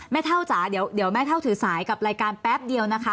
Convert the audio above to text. เท่าจ๋าเดี๋ยวแม่เท่าถือสายกับรายการแป๊บเดียวนะคะ